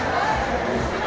ini nyarang banget kan